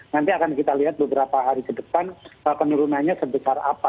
nanti akan kita lihat beberapa hari ke depan penurunannya sebesar apa